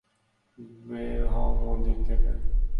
বের হও মন্দির থেকে।